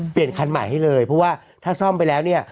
เปลี่ยนคันใหม่ให้เลยเพราะว่าถ้าซ่อมไปแล้วเนี่ย